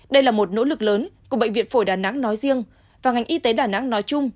đây là một nỗ lực lớn của bệnh viện phổi đà nẵng nói riêng và ngành y tế đà nẵng nói chung